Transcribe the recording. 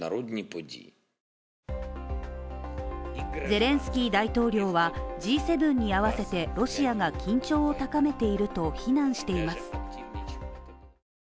ゼレンスキー大統領はＧ７に合わせてロシアが緊張を高めていると非難しています。